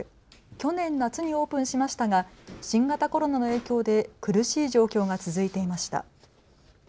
去年夏にオープンしましたが新型コロナの影響で苦しい状況が続いていました。